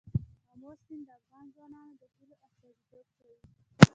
آمو سیند د افغان ځوانانو د هیلو استازیتوب کوي.